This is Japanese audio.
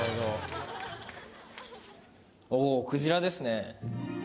おぉクジラですね。